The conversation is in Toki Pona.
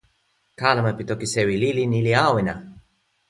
kalama pi toki sewi lili ni li awen a.